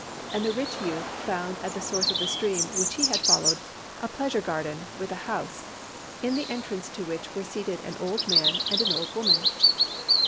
And the rich youth found at the source of the stream, which he had followed, a pleasure garden with a house, in the entrance to which were seated an old man and an old woman.